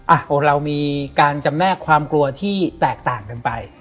เรามีการจำแนกความกลัวที่แตกต่างกันไป